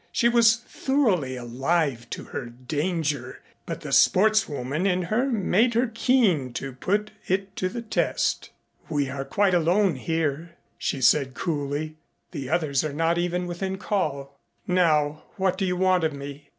She was thoroughly alive to her danger, but the sportswoman in her made her keen to put it to the test. "We are quite alone here," she said coolly. "The others are not even within call. Now what do you want of me?"